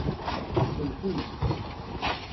Tselkemt.